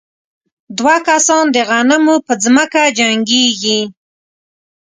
دوه کسان د غنمو په ځمکه جنګېږي.